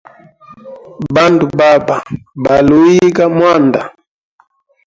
Bandu baba, baluhuyiga mwanda.